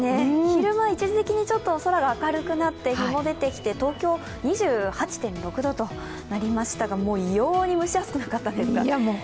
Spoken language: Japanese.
昼間、一時的に空が明るくなって日も出てきて東京、２８．６度となりましたがもう異様に蒸し暑くなかったですか？